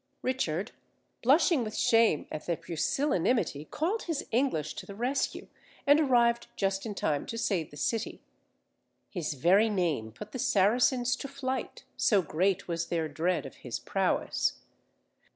Richard, blushing with shame at their pusillanimity, called his English to the rescue, and arrived just in time to save the city. His very name put the Saracens to flight, so great was their dread of his prowess.